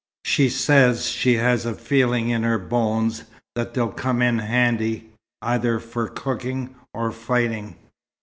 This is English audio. She says she has a 'feeling in her bones' that they'll come in handy, either for cooking or fighting.